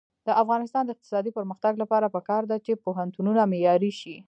د افغانستان د اقتصادي پرمختګ لپاره پکار ده چې پوهنتونونه معیاري شي.